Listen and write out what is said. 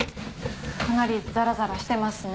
かなりザラザラしてますね。